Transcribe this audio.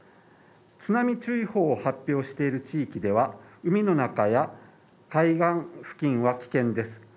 津波注意報を発表している地域では、海の中や海岸付近は危険です。